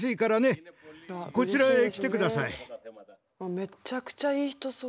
めっちゃくちゃいい人そう。